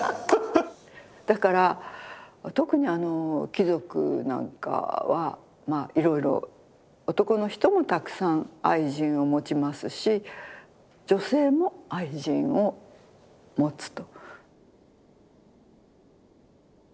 だから特に貴族なんかはいろいろ男の人もたくさん愛人を持ちますし女性も愛人を持つと。